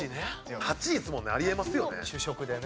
８位ですもんねあり得ますよね。